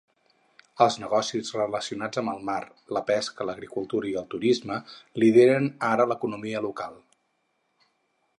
Els negocis relacionats amb el mar, la pesca, l'agricultura i el turisme lideren ara l'economia local.